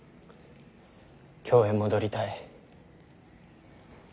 京へ戻りたい。